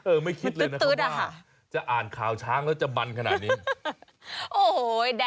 เออไม่คิดเลยนะคำว่าจะอ่านข่าวช้างแล้วจะบันขนาดนี้มันตื๊ดอะค่ะ